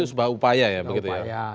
itu sebuah upaya ya begitu ya